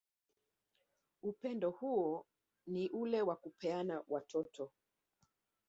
Upendo hou ni ule wa kupeana watoto